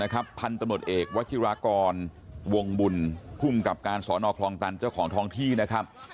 พันธุ์ตำรวจเอกวัชิรากรวงบุญภูมิกับการสอนอคลองตันเจ้าของท้องที่นะครับ